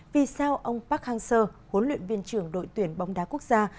vì sao ông park hang seo huấn luyện viên trưởng đội tuyển bóng đá quốc gia